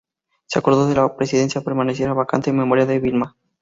Se acordó que la presidencia permaneciera vacante en memoria de Vilma.